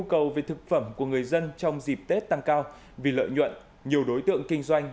nhu cầu về thực phẩm của người dân trong dịp tết tăng cao vì lợi nhuận nhiều đối tượng kinh doanh